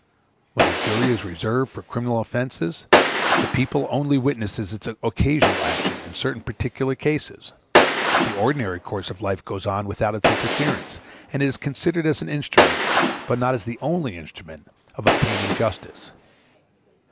When the jury is reserved for criminal offences, the people only witnesses its occasional action in certain particular cases; the ordinary course of life goes on without its interference, and it is considered as an instrument, but not as the only instrument, of obtaining justice.